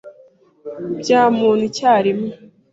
bye muntu icyerimwe.